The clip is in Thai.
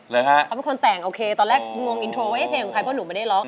เขาเป็นคนแต่งโอเคตอนแรกงงอินโทรว่าเพลงของใครเพราะหนูไม่ได้ร้อง